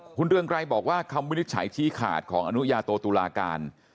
คุณเรืองไกรบอกว่าคำวินิจฉัยชี้ขาดของอนุญาโตตุลาการ